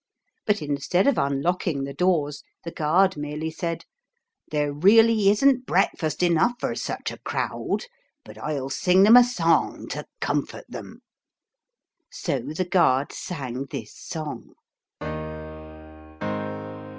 But instead of unlocking the doors the guard merely said, " There really isn't breakfast enough for such a crowd, but I'll sing them a song to comfort them." So the guard sang this song : THE BREAKFAST SONG.